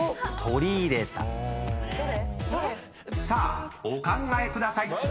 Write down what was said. ［さあお考えください］